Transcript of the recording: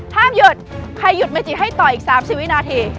ห้ามหยุดใครหยุดเมจิให้ต่ออีก๓๐วินาที